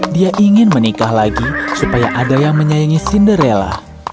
dia ingin menikah lagi supaya ada yang menyayangi cinderella